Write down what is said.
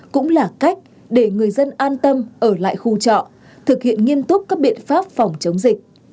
cũng là cách để người dân an tâm ở lại khu trọ thực hiện nghiêm túc các biện pháp phòng chống dịch